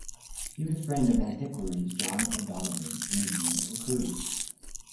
He was a friend of antiquaries John O'Donovan and Eugene O'Curry.